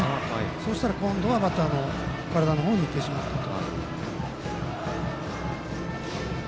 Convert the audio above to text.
そしたら今度は体のほうにいってしまったと。